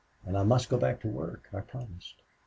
And I must go back to work. I promised."